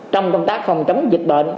trong công tác phòng chống dịch bệnh